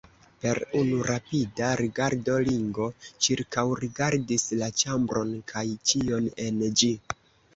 Per unu rapida rigardo Ringo ĉirkaŭrigardis la ĉambron kaj ĉion en ĝi.